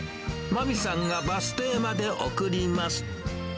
真美さんがバス停まで送ります。